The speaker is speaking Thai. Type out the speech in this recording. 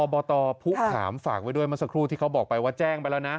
บตผู้ขามฝากไว้ด้วยเมื่อสักครู่ที่เขาบอกไปว่าแจ้งไปแล้วนะ